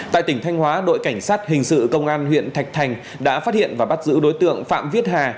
tại tỉnh thanh hóa đội cảnh sát hình sự công an huyện thạch thành đã phát hiện và bắt giữ đối tượng phạm viết hà